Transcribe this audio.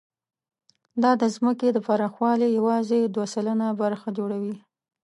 دا د ځمکې د پراخوالي یواځې دوه سلنه برخه جوړوي.